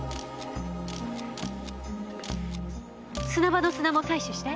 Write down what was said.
砂場の砂も採取して。